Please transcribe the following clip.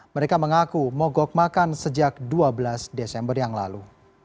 mereka mengaku mogok makan sejak dua belas desember yang lalu